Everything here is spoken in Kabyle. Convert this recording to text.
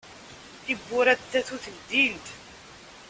Tiwurra n tatut ldint.